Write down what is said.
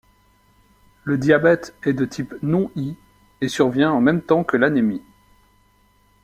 Le diabète est de type non I et survient en même temps que l'anémie.